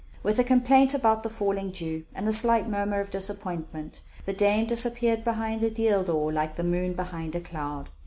With a complaint about the falling dew, and a slight murmur of disappointment, the dame disappeared behind a deal door like the moon behind a cloud.